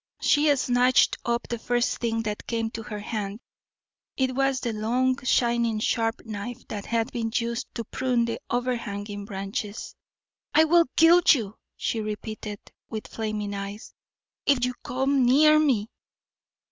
She snatched up the first thing that came to her hand; it was the long, shining, sharp knife that had been used to prune the overhanging branches. "I will kill you," she repeated, with flaming eyes, "if you come near me!"